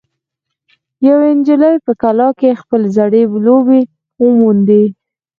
یوه نجلۍ په کلا کې خپلې زړې لوبې وموندې.